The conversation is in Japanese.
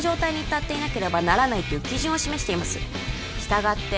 至っていなければならないという基準を示しています従って